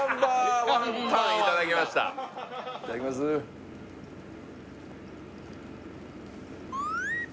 いただきますー